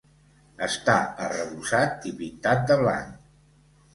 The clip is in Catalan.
Està arrebossat i pintat de blanc.